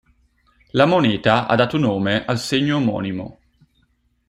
La moneta ha dato nome al segno omonimo.